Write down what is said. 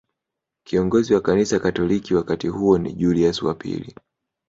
Kiongozi wa kanisa katoliki wakati huo ni Julius wa pili